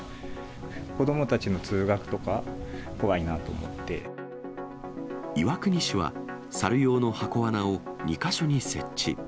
子どもたちの通学とか、怖いなと岩国市は、猿用の箱わなを２か所に設置。